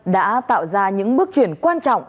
đã tạo ra những bước chuyển quan trọng